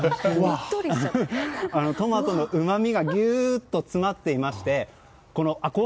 トマトのうまみがぎゅーっと詰まっていまして。